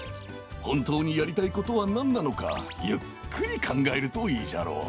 ほんとうにやりたいことはなんなのかゆっくりかんがえるといいじゃろう。